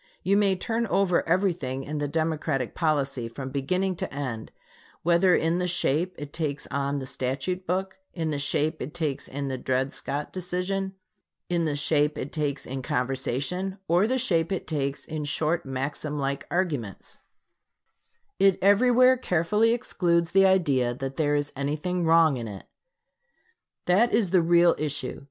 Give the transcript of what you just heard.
You may turn over everything in the Democratic policy from beginning to end, whether in the shape it takes on the statute book, in the shape it takes in the Dred Scott decision, in the shape it takes in conversation, or the shape it takes in short maxim like arguments it everywhere carefully excludes the idea that there is anything wrong in it. Lincoln Douglas Debates, pp. 233 4. That is the real issue.